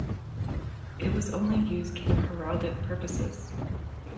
It was only used for heraldic purposes.